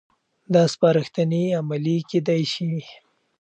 دا سپارښتنې عملي کېدای شي.